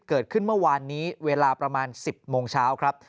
เกิดขึ้นเมื่อวานนี้เวลาประมาณ๑๐โมงเช้าครับ